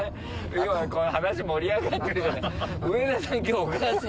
今話盛り上がってるじゃない。